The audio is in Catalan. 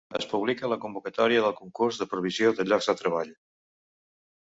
Es publica la convocatòria del concurs de provisió de llocs de treball.